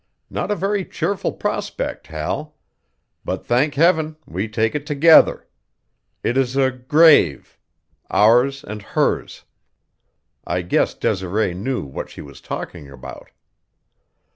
Not a very cheerful prospect, Hal; but, thank Heaven, we take it together! It is a grave ours and hers. I guess Desiree knew what she was talking about."